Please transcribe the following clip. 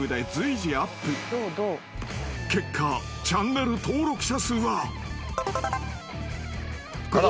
［結果チャンネル登録者数は］